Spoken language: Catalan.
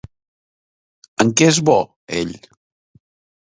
En què és bo ell?